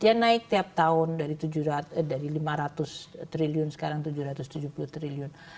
dia naik tiap tahun dari lima ratus triliun sekarang tujuh ratus tujuh puluh triliun